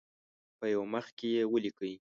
په یو مخ کې یې ولیکئ.